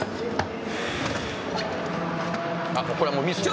これはもうミスです。